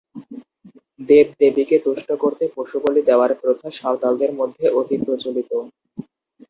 দেব-দেবীকে তুষ্ট করতে পশুবলি দেওয়ার প্রথা সাঁওতালদের মধ্যে অতি প্রচলিত।